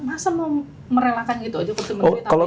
masa mau merelakan gitu aja